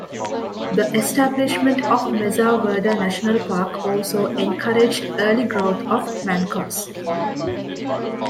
The establishment of Mesa Verde National Park also encouraged early growth of Mancos.